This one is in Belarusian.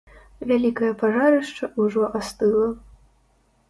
Вялікае пажарышча ўжо астыла.